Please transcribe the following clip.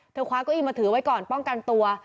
คว้าเก้าอี้มาถือไว้ก่อนป้องกันตัว